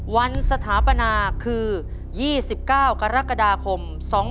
สถาปนาคือ๒๙กรกฎาคม๒๕๖๒